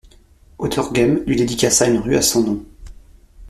Auderghem lui dédicaça une rue à son nom.